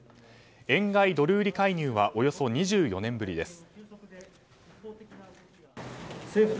円買いドル売り介入はおよそ２４年ぶりです。